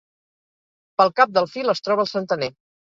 Pel cap del fil es troba el centener.